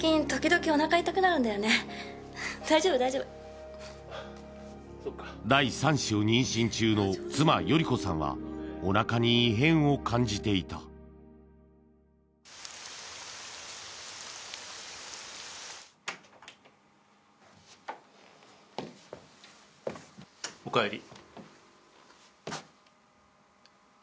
大丈夫大丈夫第三子を妊娠中の妻・よりこさんはおなかに異変を感じていたおかえり